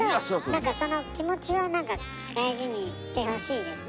何かその気持ちは大事にしてほしいですね。